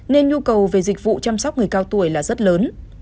nên nhu cầu về dịch vụ chăm sóc người cao tuổi là rất lớn